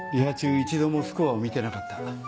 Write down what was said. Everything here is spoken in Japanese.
一度もスコアを見てなかった。